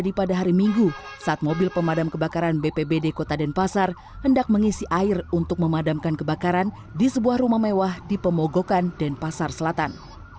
terjadi pada hari minggu saat mobil pemadam kebakaran bpbd kota denpasar hendak mengisi air untuk memadamkan kebakaran di sebuah rumah mewah di pemogokan denpasar selatan